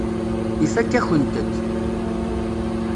Ifakk-akent-t.